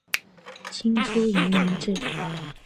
清初沿明制。